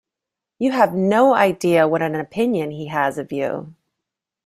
You have no idea what an opinion he has of you!